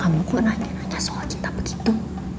kamu kok nanya nanya soal cinta begitu